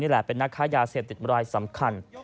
แหละเป็นนักค้ายาเสพติดรายสำคัญ